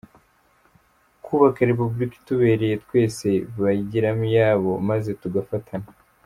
kubaka Repubulika itubereye twese bayigira iyabo, maze tugafatana